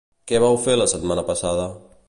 Què vau fer la setmana passada?